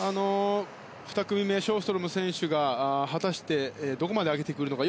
２組目ショーストロム選手が果たしてどこまで上げてくるか。